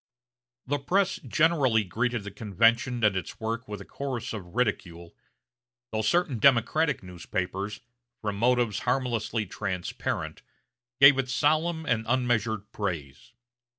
The press generally greeted the convention and its work with a chorus of ridicule, though certain Democratic newspapers, from motives harmlessly transparent, gave it solemn and unmeasured praise.